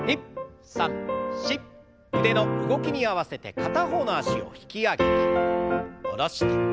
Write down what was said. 腕の動きに合わせて片方の脚を引き上げて戻して。